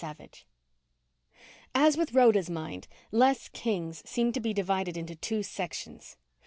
11 As with Rhoda Kane's mind, Les King's seemed to be divided into two sections.